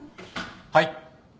はい。